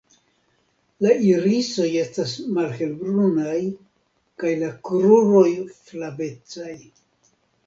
La irisoj estas malhelbrunaj kaj la kruroj flavecaj.